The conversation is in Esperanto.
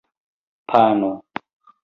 pano